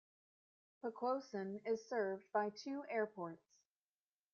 Poquoson is served by two airports.